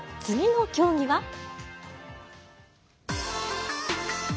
次の競技は。